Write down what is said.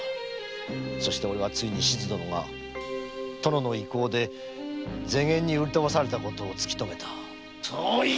そしてついにしず殿が殿の意向で女衒に売りとばされたことを突き止めた。